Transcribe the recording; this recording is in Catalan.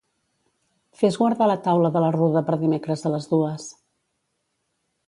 Fes guardar la taula de la Ruda per dimecres a les dues.